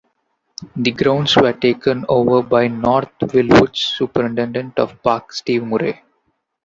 The grounds were taken over by North Wildwood's superintendent of parks, Steve Murray.